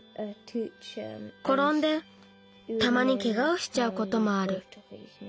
ころんでたまにケガをしちゃうこともある。